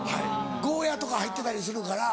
ゴーヤとか入ってたりするから。